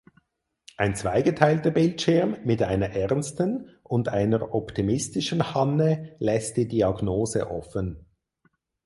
Ein zweigeteilter Bildschirm mit einer ernsten und einer optimistischen Hanne lässt die Diagnose offen.